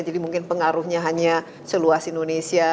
jadi mungkin pengaruhnya hanya seluas indonesia